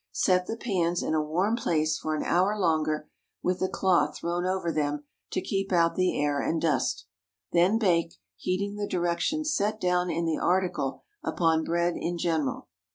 Set the pans in a warm place for an hour longer, with a cloth thrown over them to keep out the air and dust. Then bake, heeding the directions set down in the article upon bread in general.